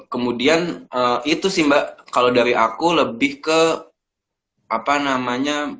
kemudian itu sih mbak kalau dari aku lebih ke apa namanya